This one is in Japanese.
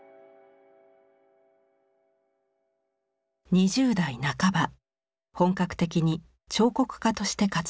２０代半ば本格的に彫刻家として活動を始めます。